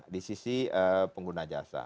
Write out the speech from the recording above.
di sisi pengguna jasa